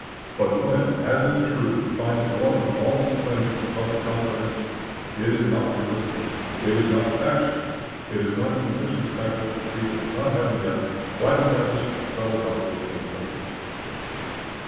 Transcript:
But when, as is true, we find it wanting in all these claims to the public confidence, it is not resistance, it is not factions, it is not even disrespectful, to treat it as not having yet quite established a settled doctrine for the country.